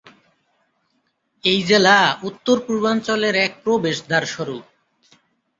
এই জেলা উত্তর-পূর্বাঞ্চলের এক প্রবেশদ্বারস্বরূপ।